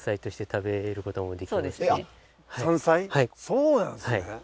そうなんですね。